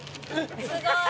すごい。